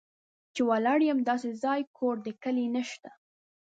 چې ولاړ یم داسې ځای، کور د کلي نه شته